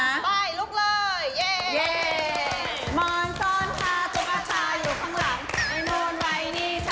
ไปลุกเลย